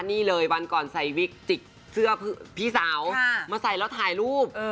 นี่เลยวันก่อนใส่วิกจิกเสื้อพี่สาวมาใส่แล้วถ่ายรูป